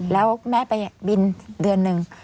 แล้วแม่ไปบินเดือนหนึ่ง